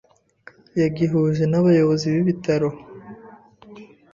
yagihuje n’abayobozi b’ibitaro